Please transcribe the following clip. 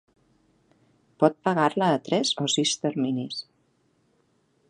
Pot pagar-la a tres o a sis terminis.